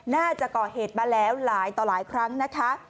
น่าจะก่อเหตุมาแล้วหลายต่อหลายครั้งนะคะ